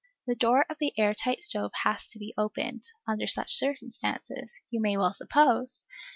The door of the air tight stove has to be opened, under such circumstances, you may well suppose!